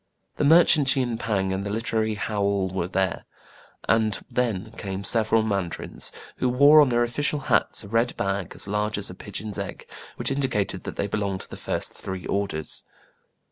The merchant Yin Pang and the literary Houal were there; arid then came several mandarins, who wore on their official hats a red ball as large as a pigeon's egg, which indicated that they be longed to the first three orders.